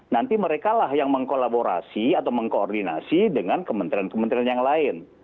nanti mereka lah yang mengkolaborasi atau mengkoordinasi dengan kementerian kementerian yang lain